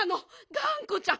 がんこちゃん。